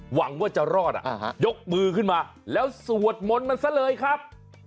หวังว่าจะรอดยกมือขึ้นมาแล้วสวดมนต์มันซะเลยครับ